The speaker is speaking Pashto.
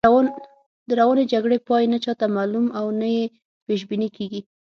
د روانې جګړې پای نه چاته معلوم او نه یې پیش بیني کېږي.